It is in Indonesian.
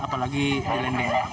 apalagi di lendeng